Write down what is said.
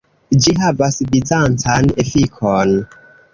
Ĝi havas bizancan efikon.